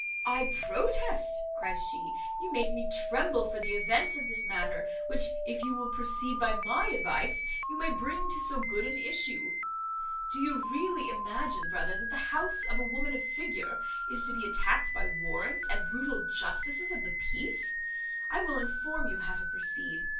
"I protest," cries she, "you make me tremble for the event of this matter, which, if you will proceed by my advice, you may bring to so good an issue. Do you really imagine, brother, that the house of a woman of figure is to be attacked by warrants and brutal justices of the peace? I will inform you how to proceed.